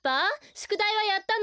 しゅくだいはやったの？